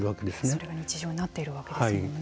それが日常になっているわけですよね。